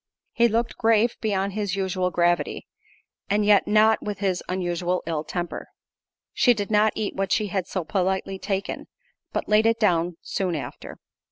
He looked grave beyond his usual gravity, and yet not with his usual ill temper. She did not eat what she had so politely taken, but laid it down soon after.